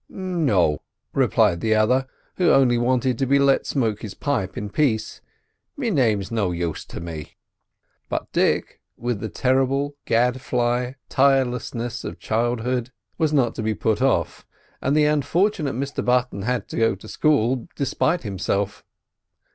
"No," replied the other, who only wanted to be let smoke his pipe in peace; "me name's no use to me." But Dick, with the terrible gadfly tirelessness of childhood, was not to be put off, and the unfortunate Mr Button had to go to school despite himself.